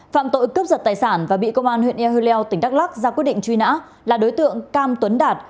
phạm tội cướp giật tài sản và bị công an tp buôn ban thuột tỉnh đắk lắc ra quyết định truy nã là đối tượng cam tuấn đạt